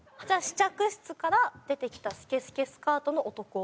じゃあ「試着室から出て来た透け透けスカートの男」。